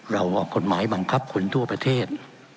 ออกกฎหมายบังคับคนทั่วประเทศ